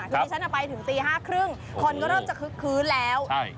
คือดิฉันไปถึงตี๕๓๐คนก็เริ่มจะคึกคืนแล้ว